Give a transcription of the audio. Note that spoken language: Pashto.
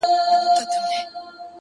ما مينه ورکړله; و ډېرو ته مي ژوند وښودئ;